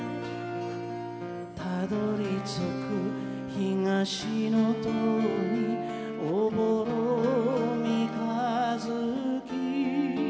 「たどり着く東の塔に朧三日月」